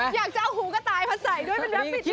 อยากจะเอาหูกระตายผ่านใส่ด้วยเป็นรับบิดฮิชชี่